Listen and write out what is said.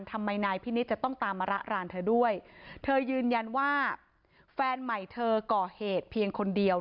ทำไมนายพินิษฐ์จะต้องตามมาระรานเธอด้วยเธอยืนยันว่าแฟนใหม่เธอก่อเหตุเพียงคนเดียว